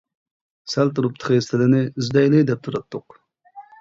سەل تۇرۇپ تېخى سىلىنى ئىزدەيلى دەپ تۇراتتۇق!